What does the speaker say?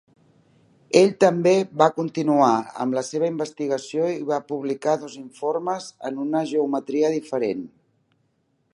Ell també va continuar amb la seva investigació i va publicar dos informes en una geometria diferent.